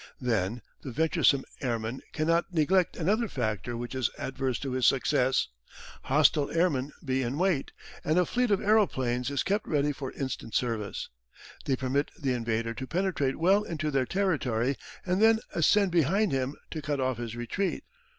Then the venturesome airman cannot neglect another factor which is adverse to his success. Hostile airmen lie in wait, and a fleet of aeroplanes is kept ready for instant service. They permit the invader to penetrate well into their territory and then ascend behind him to cut off his retreat.